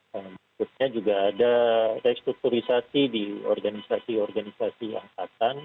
berikutnya juga ada restrukturisasi di organisasi organisasi angkatan